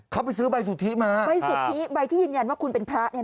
เขาไปซื้อใบสุทธิมาใบสุทธิใบที่ยืนยันว่าคุณเป็นพระ